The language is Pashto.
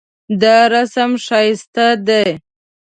دا رسم ښایسته دی